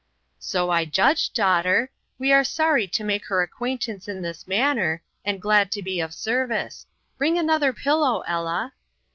" So I judged, daughter. We are sorry to make her acquaintance in this manner, and glad to be of service. Bring another pillow, Ella."